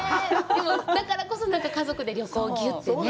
だからこそ家族で旅行をぎゅってね。